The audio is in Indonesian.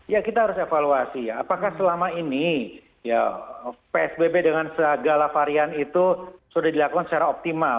ya kita harus evaluasi ya apakah selama ini ya psbb dengan segala varian itu sudah dilakukan secara optimal